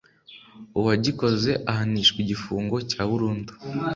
uwagikoze ahanishwa igifungo cya burundu